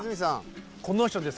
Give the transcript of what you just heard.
この人です